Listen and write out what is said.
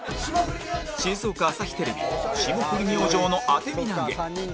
静岡朝日テレビ『霜降り明星のあてみなげ』